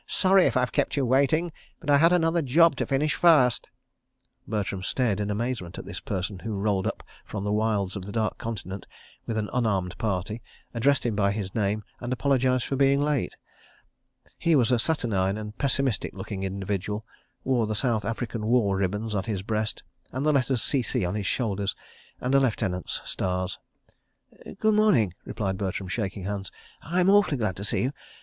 "Sorry if I've kept you waiting, but I had another job to finish first." Bertram stared in amazement at this person who rolled up from the wilds of the Dark Continent with an unarmed party, addressed him by name, and apologised for being late! He was a saturnine and pessimistic looking individual, wore the South African War ribbons on his breast, and the letters C.C. on his shoulders, and a lieutenant's stars. "Good morning," replied Bertram, shaking hands. "I'm awfully glad to see you.